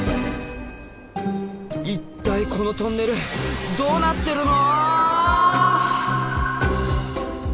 一体このトンネルどうなってるの！